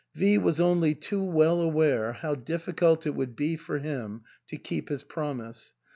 V was only too well aware how difl&cult it would be for him to keep his promise.